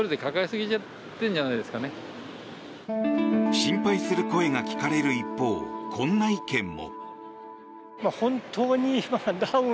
心配する声が聞かれる一方こんな意見も。